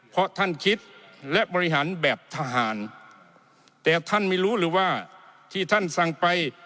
เพราะท่านคิดและบริหารแบบทหารแต่ท่านไม่รู้หรือว่าที่ท่านสั่งไป